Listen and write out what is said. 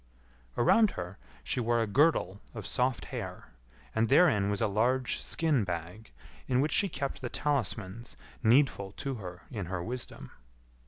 Around her she wore a girdle of soft hair, and therein was a large skin bag, in which she kept the talismans needful to her in her wisdom.